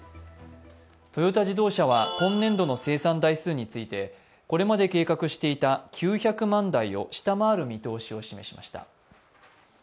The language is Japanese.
トヨタ自動車は今年度の生産台数についてこれまで計画していた９００万台を下回る見通しをシメしました。